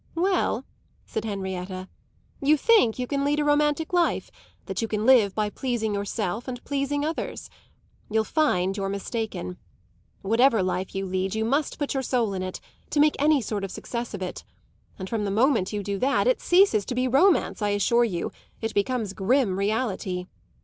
"Well," said Henrietta, "you think you can lead a romantic life, that you can live by pleasing yourself and pleasing others. You'll find you're mistaken. Whatever life you lead you must put your soul in it to make any sort of success of it; and from the moment you do that it ceases to be romance, I assure you: it becomes grim reality!